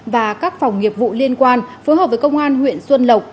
và các phòng nghiệp vụ liên quan phối hợp với công an huyện xuân lộc